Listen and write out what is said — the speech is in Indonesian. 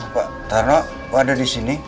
pak tarno ada di sini